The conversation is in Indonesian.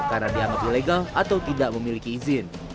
karena diamat ulegal atau tidak memiliki izin